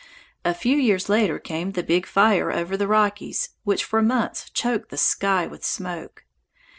A few years later came the big fire over the Rockies, which for months choked the sky with smoke.